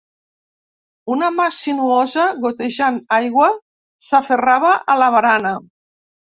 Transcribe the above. Una mà sinuosa, gotejant aigua, s'aferrava a la barana.